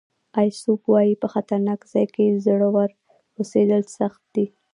ایسوپ وایي په خطرناک ځای کې زړور اوسېدل سخت دي.